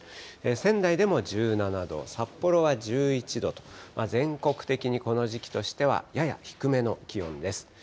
仙台でも１７度、札幌は１１度と、全国的にこの時期としてはやや低めの気温です。